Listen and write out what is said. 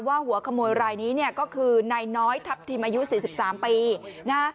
หัวขโมยรายนี้เนี่ยก็คือนายน้อยทัพทิมอายุ๔๓ปีนะ